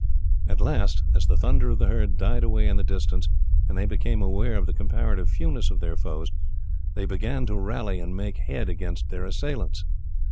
At last, as the thunder of the herd died away in the distance, and they became aware of the comparative fewness of their foes, they began to rally and make head against their assailants.